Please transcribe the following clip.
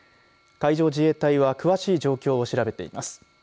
海上自衛隊は詳しい状況を調べています。